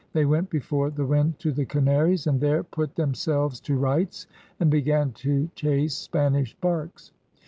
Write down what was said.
They went before the wind to the Canaries, and there put themselves to rights and began to chase Spanish barks.